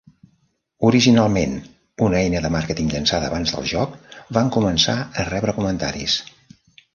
Originalment, una eina de màrqueting llançada abans del joc, van començar a rebre comentaris.